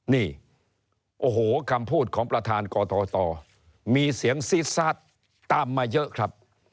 นี่โอ้โหคำพูดของประธานกทตมีเสียงซีดซาดตามมาเยอะครับ